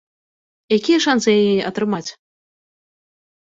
Якія шанцы яе атрымаць?